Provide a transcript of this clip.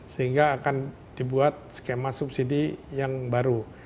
sehingga akan dibuat skema subsidi yang baru